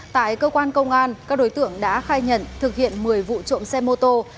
tại cơ quan công an các đối tượng đã khai nhận thực hiện một mươi vụ trộm xe mô tô